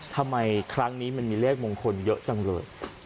ทำไมครั้งนี้มันมีเลขมงคลเยอะจังเลย